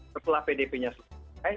setelah pdp nya selesai